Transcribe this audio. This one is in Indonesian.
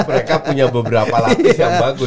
mereka punya beberapa lapis yang bagus